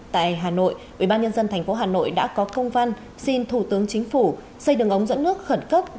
tại hà nội ubnd tp hà nội đã có công văn xin thủ tướng chính phủ xây đường ống dẫn nước khẩn cấp